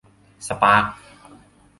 สปาร์คส์